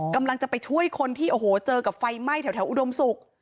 กำลังจะไปช่วยคนที่โอ้โหเจอกับไฟไหม้แถวอุดมศุกร์